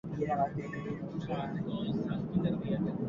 Armeniako tronuan Tiridates onartu zuen.